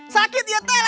sakit ya kan